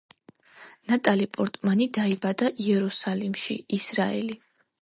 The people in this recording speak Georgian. ნატალი პორტმანი დაიბადა იერუსალიმში, ისრაელი.